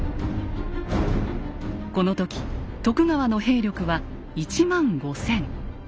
この時徳川の兵力は１万５，０００。